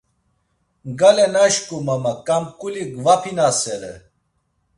Gale naşǩum ama ǩamǩuli gvapinasere.